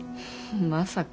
まさか。